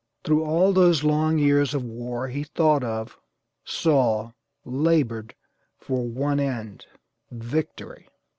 Through all those long years of war he thought of, saw, labored for one end VICTORY.